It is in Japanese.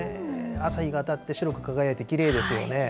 朝日が当たって白く輝いて、きれいですよね。